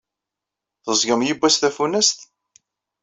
Teẓẓgem yewwas tafunast?